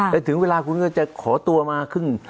แต่ถึงเวลาคุณก็จะขอตัวมาครึ่ง